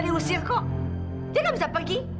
dia gak bisa pergi